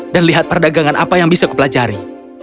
dan lihat perdagangan apa yang bisa aku pelajari